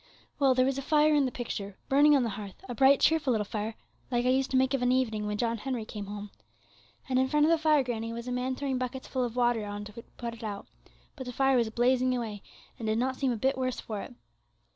Well, there was a fire in the picture, burning on the hearth, a bright, cheerful, little fire, like I used to make of an evening when John Henry came home. And in front of the fire, granny, was a man throwing buckets full of water on it to put it out; but the fire was blazing away, and did not seem a bit the worse for it.'